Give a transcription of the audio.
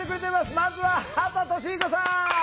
まずは畑俊彦さん！